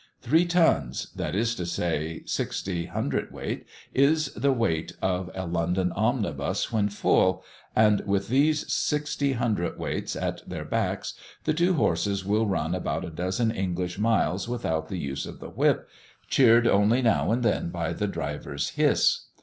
Three tons, that is to say, 60 cwt., is the weight of a London omnibus when full, and with these 60 cwts. at their backs, the two horses will run about a dozen English miles without the use of the whip, cheered only now and then by the driver's hiss.